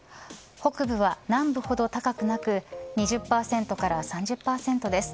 北部は南部ほど高くなく２０％から３０％です。